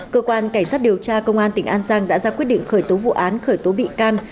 cơ quan cảnh sát điều tra công an tỉnh an giang đã ra quyết định khởi tố vụ án khởi tố bị can